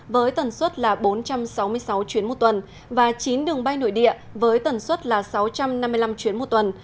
với tần suất là bốn trăm sáu mươi sáu chuyến một tuần và chín đường bay nội địa với tần suất là sáu trăm năm mươi năm chuyến một tuần